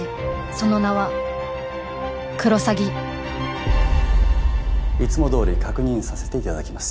その名はクロサギいつもどおり確認させていただきます